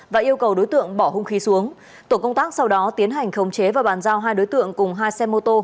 và yêu cầu đối tượng bỏ hung khí xuống tổ công tác sau đó tiến hành khống chế và bàn giao hai đối tượng cùng hai xe mô tô